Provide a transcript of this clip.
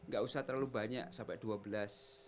gak usah terlalu banyak sampai dua belas